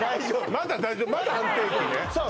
まだ大丈夫まだ安定期ねさあ